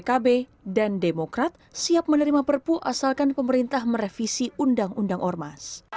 tiga fraksi p tiga pkb dan demokrat siap menerima perpu asalkan pemerintah merevisi undang undang ormas